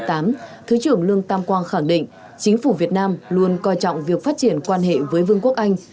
thứ trưởng lương tam quang khẳng định chính phủ việt nam luôn coi trọng việc phát triển quan hệ với vương quốc anh